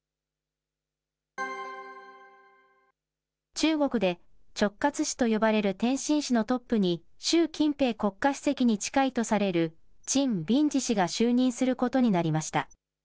中国で、直轄市と呼ばれる天津市のトップに、習近平国家主席に近いとされる陳敏爾氏が就任することになりました。